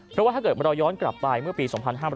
เพราะว่าถ้าเกิดเราย้อนกลับไปเมื่อปี๒๕๕๘